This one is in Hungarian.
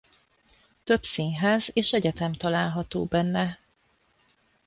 Több színház és egyetem található benne.